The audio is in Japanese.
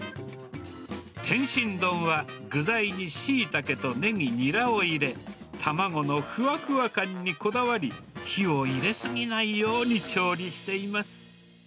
天津丼は、具材にシイタケとネギ、ニラを入れ、卵のふわふわ感にこだわり、火を入れ過ぎないように調理しています。